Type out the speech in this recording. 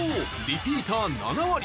リピーター７割。